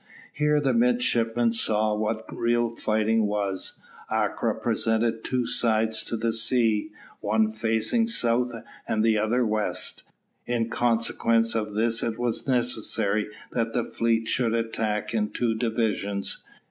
Here the midshipmen saw what real fighting was. Acre presents two sides to the sea, one facing south and the other west. In consequence of this it was necessary that the fleet should attack in two divisions.